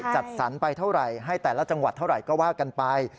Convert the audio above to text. จัดสรรไปเท่าไหร่ให้แต่ละจังหวัดเท่าไหร่ก็ว่ากันไป